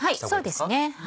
そうですね。